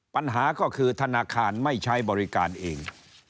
ปัญหาก็คือธนาคารไม่ใช้บริการเอง